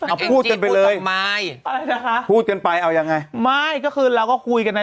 เอาพูดกันไปเลยไม่อะไรนะคะพูดกันไปเอายังไงไม่ก็คือเราก็คุยกันนะ